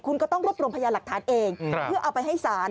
คุณก็ต้องรวบรวมพยานหลักฐานเองเพื่อเอาไปให้ศาล